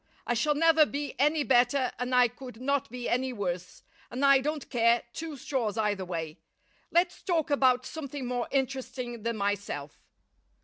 I shall never be any better and I could not be any worse, and I don't care two straws either way. Let's talk about something more interesting than myself.